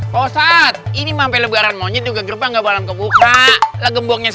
posat ini mampil lebaran monyet juga grupnya nggak balam kebuka gemboknya